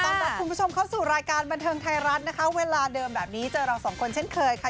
รับคุณผู้ชมเข้าสู่รายการบันเทิงไทยรัฐนะคะเวลาเดิมแบบนี้เจอเราสองคนเช่นเคยค่ะ